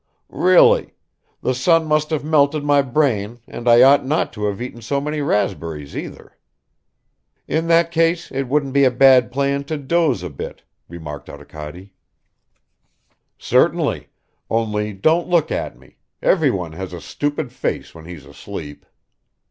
"Really? The sun must have melted my brain and I ought not to have eaten so many raspberries either." "In that case it wouldn't be a bad plan to doze a bit," remarked Arkady. "Certainly. Only don't look at me; everyone has a stupid face when he's asleep."